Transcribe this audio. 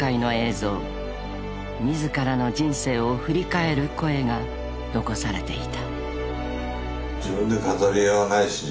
［自らの人生を振り返る声が残されていた］